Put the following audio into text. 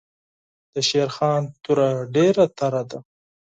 دشېرخان توره ډېره تېره ده.